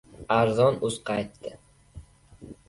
Azon.uz qaytdi!